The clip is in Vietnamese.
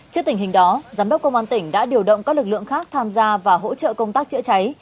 trước tình hình đó giám đốc công an tỉnh đã điều động các lực lượng khác tham gia và hỗ trợ công tác chữa cháy